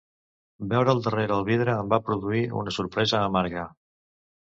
Veure’l darrere el vidre em va produir una sorpresa amarga.